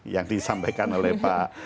yang disampaikan oleh pak